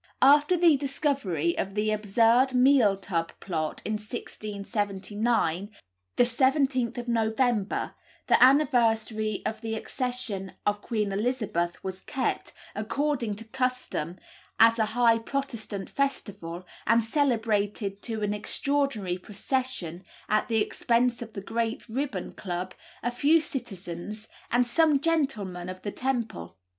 After the discovery of the absurd Meal Tub Plot, in 1679, the 17th of November, the anniversary of the accession of Queen Elizabeth was kept, according to custom, as a high Protestant festival, and celebrated by an extraordinary procession, at the expense of the Green Ribbon Club, a few citizens, and some gentlemen of the Temple.